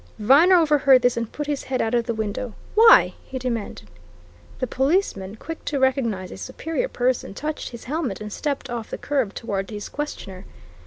Viner overheard this and put his head out of the window. "Why?" he demanded. The policeman, quick to recognize a superior person, touched his helmet and stepped off the curb toward his questioner.